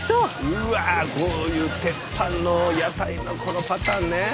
うわこういう鉄板の屋台のこのパターンね。